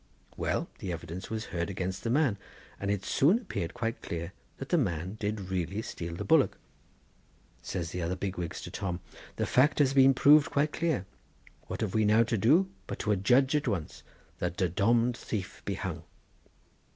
Well! the evidence was heard against the man, and it soon appeared quite clear that the man did really steal the bullock. Says the other big wigs to Tom: 'The fact has been proved quite clear. What have we now to do but to adshudge at once that the domm'd thief be hung?